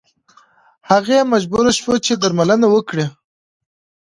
هغې مجبوره شوه چې درملنه وکړي.